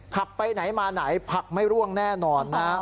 ขับไปไหนมาไหนผักไม่ร่วงแน่นอนนะ